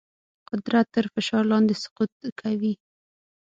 قدرت تر فشار لاندې سقوط کوي.